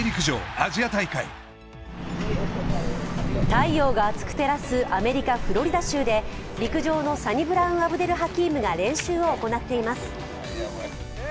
太陽が熱く照らすアメリカ・フロリダ州で陸上のサニブラン・アブデル・ハキームが練習を行っています。